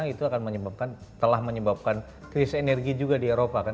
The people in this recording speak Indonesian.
itu akan menyebabkan telah menyebabkan kris energi juga di eropa kan